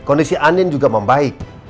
kondisi andin juga membaik